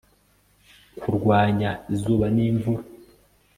kurwanya izuba n'imvura